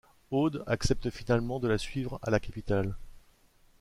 Aude accepte finalement de la suivre à la capitale.